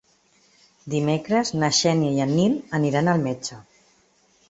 Dimecres na Xènia i en Nil aniran al metge.